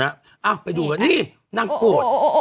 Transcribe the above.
เอ้าไปดูกันนี่นางโกรธ